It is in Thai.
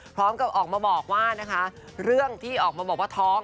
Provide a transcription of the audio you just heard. พร้อมกับออกมาบอกว่านะคะเรื่องที่ออกมาบอกว่าท้อง